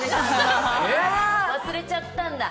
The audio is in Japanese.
忘れちゃったんだ。